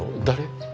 誰？